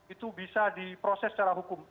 itu bisa diproses secara hukum